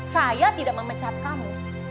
saya tidak memecat kamu